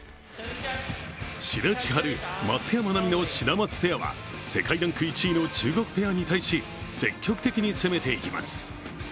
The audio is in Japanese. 志田千陽・松山奈未のシダマツペアは世界ランク１位の中国ペアに対し積極的に攻めていきます。